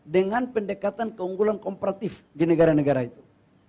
dengan pendekatan keunggulan komparatif di negara negara itu